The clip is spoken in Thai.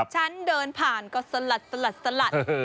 ชั้นเดินผ่านก็สลัดสลัด